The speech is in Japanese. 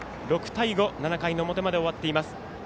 ６対５、７回の表まで終わっています。